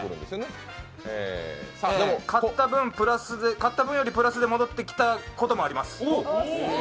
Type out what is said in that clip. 買った分よりプラスで戻ってきたこともあります。